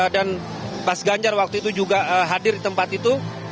dan mas ganjar waktu itu juga hadir di tempat itu